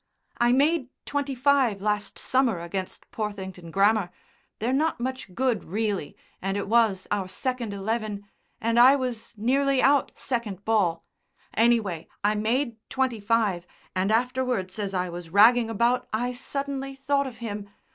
I made twenty five last summer against Porthington Grammar; they're not much good really, and it was our second eleven, and I was nearly out second ball; anyway I made twenty five, and afterwards as I was ragging about I suddenly thought of him.